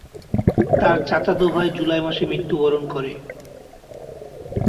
তার চাচাতো ভাই জুলাই মাসে মৃত্যুবরণ করে।